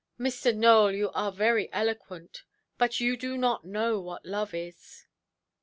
"Mr. Nowell, you are very eloquent; but you do not know what love is".